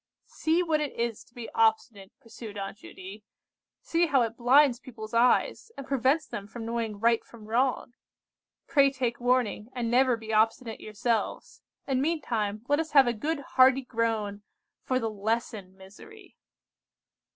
"See what it is to be obstinate," pursued Aunt Judy. "See how it blinds people's eyes, and prevents them from knowing right from wrong! Pray take warning, and never be obstinate yourselves; and meantime, let us have a good hearty groan for the lesson misery."